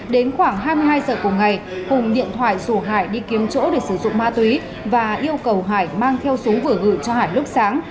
đến khoảng hai mươi hai giờ cùng ngày hùng điện thoại rủ hải đi kiếm chỗ để sử dụng ma túy và yêu cầu hải mang theo súng vừa gửi cho hải lúc sáng